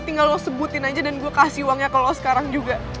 tinggal lo sebutin aja dan gue kasih uangnya kalau sekarang juga